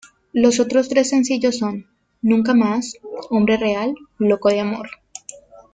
Los otros tres sencillos son: Nunca Más-Hombre Real-Loco de amor.